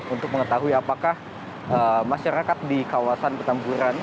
untuk mengetahui apakah masyarakat di kawasan petamburan